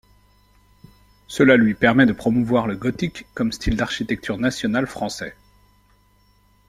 Cela lui permet de promouvoir le gothique comme style d’architecture nationale français.